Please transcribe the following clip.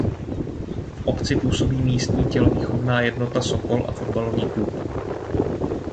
V obci působí místní Tělovýchovná jednota Sokol a fotbalový klub.